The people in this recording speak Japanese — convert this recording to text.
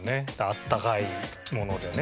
温かいものでね。